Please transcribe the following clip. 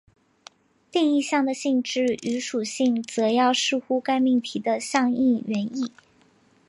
定义项的性质与属性则要视乎该命题的相应原意。